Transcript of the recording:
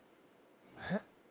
えっ